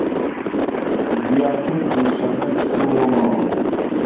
دیاکۆ دووشەممە چووەوە ماڵ.